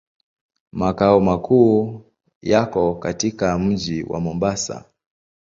Makao makuu yako katika mji wa Mombasa.